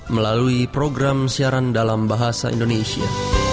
melalui program siaran dalam bahasa indonesia